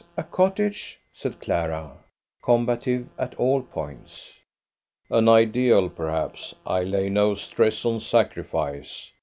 a cottage?" said Clara, combative at all points. "An ideal, perhaps. I lay no stress on sacrifice.